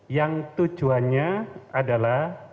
yang tujuannya adalah